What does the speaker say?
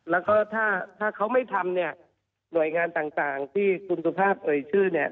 แล้วก็ถ้าถ้าเขาไม่ทำเนี่ยหน่วยงานต่างที่คุณสุภาพเอ่ยชื่อเนี่ย